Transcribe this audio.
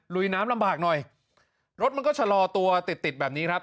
ลุยน้ำลำบากหน่อยรถมันก็ชะลอตัวติดติดแบบนี้ครับ